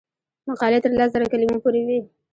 مقالې تر لس زره کلمو پورې وي.